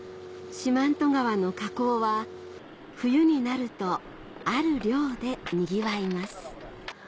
四万十川の河口は冬になるとある漁でにぎわいます